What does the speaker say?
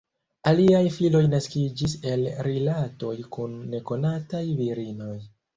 Aliaj filoj naskiĝis el rilatoj kun nekonataj virinoj.